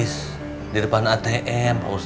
saya merupakan in laws selama lima tahun